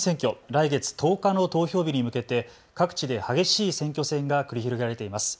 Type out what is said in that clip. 来月１０日の投票日に向けて各地で激しい選挙戦が繰り広げられています。